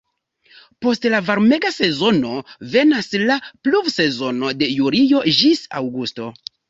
Post la varmega sezono venas la "pluvsezono" de julio ĝis aŭgusto.